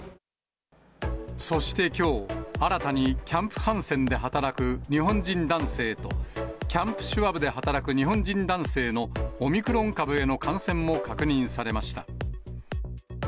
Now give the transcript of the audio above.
そしてきょう、新たにキャンプ・ハンセンで働く日本人男性と、キャンプ・シュワブで働く日本人男性のオミクロン株への感染も確認されました。